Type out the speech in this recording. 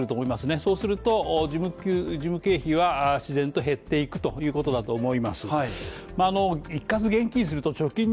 そうすると事務経費は自然と減っていくということだと思います。